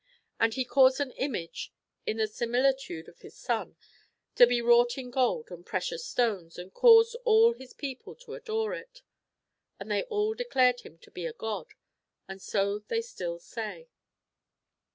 And he caused an image in the similitutle of his son to be wrought in gold and j)rccious stones, and caused all his people to adore it. And they all declared him to be a god ; and so they still say.'